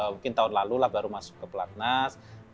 mungkin tahun lalu lah baru masuk ke pelatnas